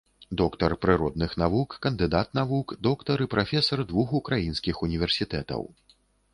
Доктар прыродных навук, кандыдат навук, доктар і прафесар двух украінскіх універсітэтаў.